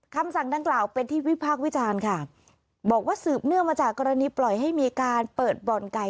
คำสั่งดังกล่าวเป็นที่วิพากษ์วิจารณ์ค่ะบอกว่าสืบเนื่องมาจากกรณีปล่อยให้มีการเปิดบ่อนไก่